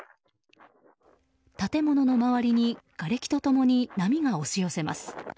建物の周りにがれきと共に波が押し寄せます。